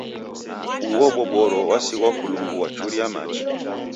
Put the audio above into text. Uo boboro wasighwa kulungua churia machi